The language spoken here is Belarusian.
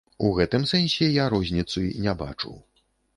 У гэтым сэнсе я розніцы не бачу.